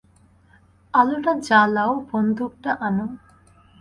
আলোটা জ্বালাও বন্দুকটা আনো।